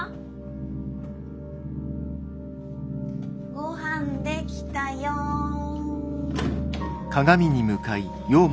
ごはんできたよん。